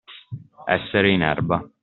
Essere in erba.